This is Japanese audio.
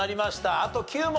あと９問。